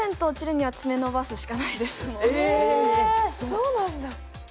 そうなんだ。